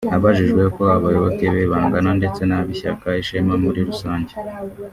Abajijwe uko abayoboke be bangana ndetse n’ab’ishyaka Ishema muri rusange